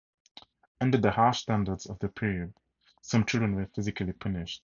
Under the harsh standards of the period, some children were physically punished.